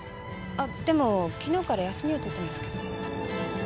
でも昨日から休みを取ってますけど。